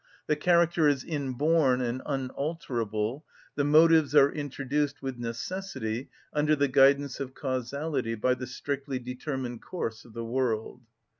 The character is inborn and unalterable; the motives are introduced with necessity under the guidance of causality by the strictly determined course of the world.